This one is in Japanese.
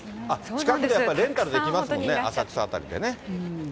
近くでやっぱりレンタルできますもんね、浅草辺りでね。